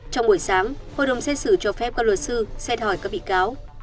trong buổi sáng hội đồng xét xử cho phép các luật sư xét hỏi các bị cáo